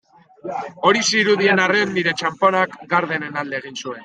Hori zirudien arren, nire txanponak Garderen alde egin zuen.